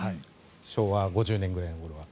昭和５０年くらいの頃は。